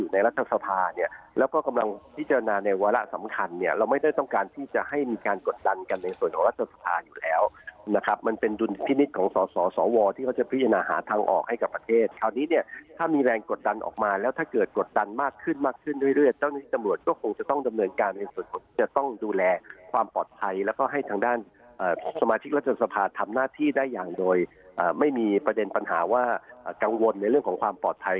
นะครับมันเป็นดุลพินิษฐ์ของสอสอสอวที่เขาจะพิจารณาหาทางออกให้กับประเทศคราวนี้เนี่ยถ้ามีแรงกดดันออกมาแล้วถ้าเกิดกดดันมากขึ้นมากขึ้นด้วยเรื่อยเจ้าหน้าที่จำนวดก็คงจะต้องดำเนินการในส่วนที่จะต้องดูแลความปลอดภัยแล้วก็ให้ทางด้านสมาชิกรัฐสภาษณ์ทำหน้าที่ได้อย่างโดยไม่มีประ